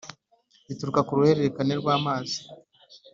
bituruka ku ruhererekane rw’amazi.